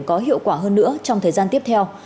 có hiệu quả hơn nữa trong thời gian tiếp theo